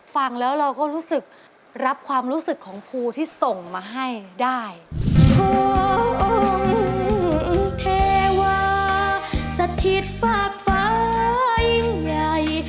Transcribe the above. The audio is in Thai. ฟังแล้วเราก็รู้สึกรับความรู้สึกของภูที่ส่งมาให้ได้